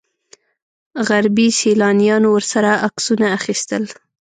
غربي سیلانیانو ورسره عکسونه اخیستل.